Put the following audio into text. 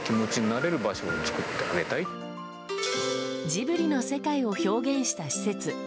ジブリの世界を表現した施設。